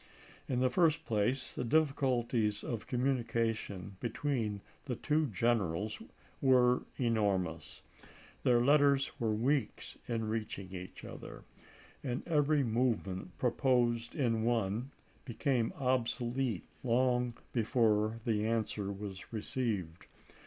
In the first place, the difficulties of communication between the two generals were enormous. Their letters were weeks in reaching each other, and every movement proposed in one became obsolete long before the answer was re ceived.